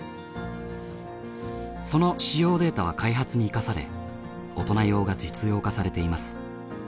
その使用データは開発に生かされ大人用が実用化されています。